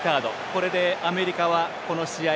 これで、アメリカはこの試合